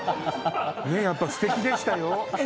やっぱすてきでしたよ！